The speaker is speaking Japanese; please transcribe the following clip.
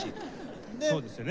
そうですよね。